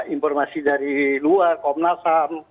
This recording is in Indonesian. informasi dari luar komnasam